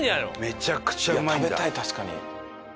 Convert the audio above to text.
いや食べたい確かに。